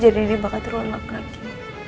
tapi jadinya bakal terulang lagi